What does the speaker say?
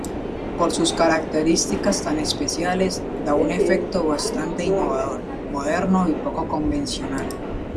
Por sus características tan especiales, da un efecto bastante innovador, moderno y poco convencional.